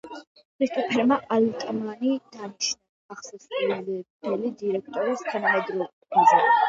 კრისტოფერმა ალტმანი დანიშნა აღმასრულებელი დირექტორის თანამდებობაზე.